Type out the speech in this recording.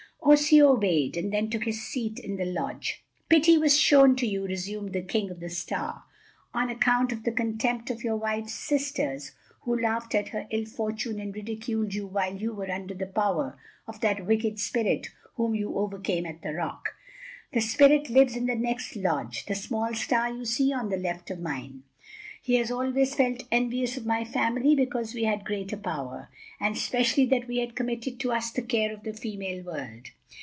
Osseo obeyed, and then took his seat in the lodge. "Pity was shown to you," resumed the King of the Star, "on account of the contempt of your wife's sisters, who laughed at her ill fortune and ridiculed you while you were under the power of that wicked spirit whom you overcame at the rock. That spirit lives in the next lodge, the small star you see on the left of mine. He has always felt envious of my family because we had greater power, and especially that we had committed to us the care of the female world.